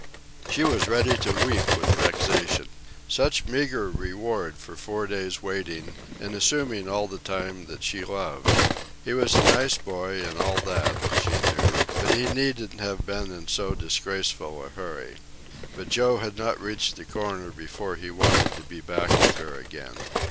She was ready to weep with vexation. Such meagre reward for four days' waiting, and assuming all the time that she loved! He was a nice boy and all that, she knew, but he needn't have been in so disgraceful a hurry. But Joe had not reached the corner before he wanted to be back with her again.